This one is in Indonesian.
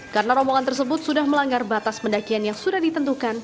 karena rompongan tersebut sudah melanggar batas pendakian yang sudah ditentukan